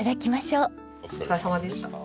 お疲れさまでした。